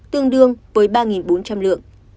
tương đương với ba bốn trăm linh lượng